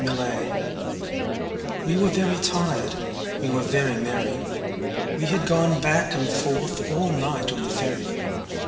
Recuerdo WE WERE very tired, we were very merry We had gone back and forth all night on the ferry.